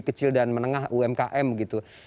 kecil dan menengah umkm gitu